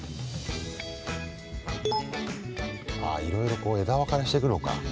いろいろこう枝分かれしてくのか。